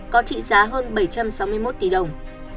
có trị giá hơn bảy trăm sáu mươi một tỷ đồng